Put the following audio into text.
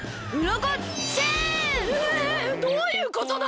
えどういうことだ！？